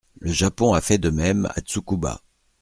Le Japon a fait de même à Tsukuba.